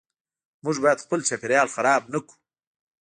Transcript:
موږ باید خپل چاپیریال خراب نکړو .